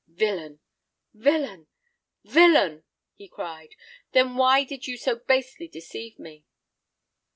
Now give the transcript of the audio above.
"Villain, villain, villain!" he cried, "then why did you so basely deceive me?"